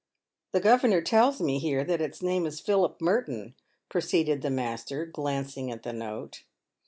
" The governor tells me here that its name is Philip Merton," proceeded the master, glancing at the note.